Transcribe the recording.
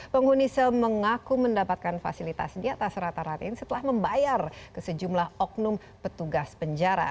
penghuni sel mengaku mendapatkan fasilitas di atas rata rata ini setelah membayar ke sejumlah oknum petugas penjara